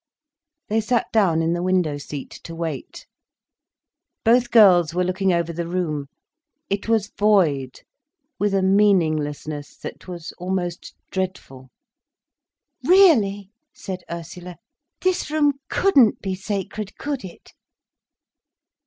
They sat down in the window seat, to wait. Both girls were looking over the room. It was void, with a meaninglessness that was almost dreadful. "Really," said Ursula, "this room couldn't be sacred, could it?"